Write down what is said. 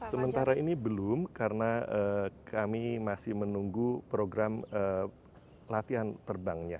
sementara ini belum karena kami masih menunggu program latihan terbangnya